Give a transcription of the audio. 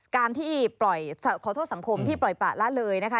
การที่ขอโทษสังคมที่ปล่อยปะละเลยนะคะ